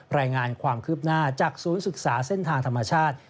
รายงานความคืบหน้าจากศูนย์ศึกษาเส้นทางธรรมชาติ